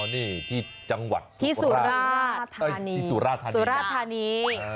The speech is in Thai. นี่ที่จังหวัดสุราธาณี